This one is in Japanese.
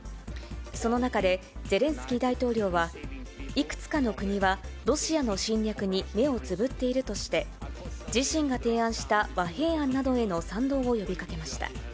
その中で、ゼレンスキー大統領はいくつかの国はロシアの侵略に目をつぶっているとして、自身が提案した和平案などへの賛同を呼びかけました。